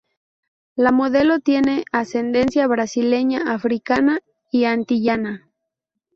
La modelo tiene ascendencia brasileña, africana y antillana.